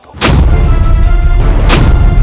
turunan prabu di skala wasto